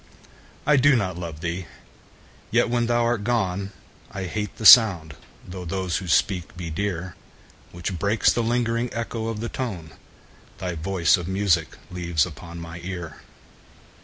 I do not love thee!—yet, when thou art gone, I hate the sound (though those who speak be dear) 10 Which breaks the lingering echo of the tone Thy voice of music leaves upon my ear.